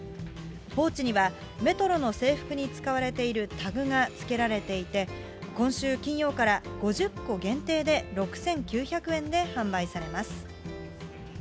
ポーチにはメトロの制服に使われているタグがつけられていて、今週金曜から５０個限定で、６９００円で販売されます。